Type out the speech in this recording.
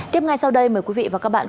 tiếp ngay sau đây mời quý vị và các bạn